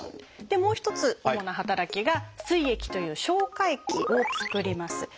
でもう一つ主な働きが「すい液」という消化液を作ります。